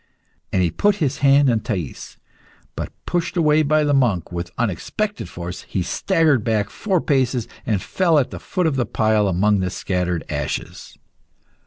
And he put his hand on Thais. But, pushed away by the monk with unexpected force, he staggered back four paces and fell at the foot of the pile amongst the scattered ashes.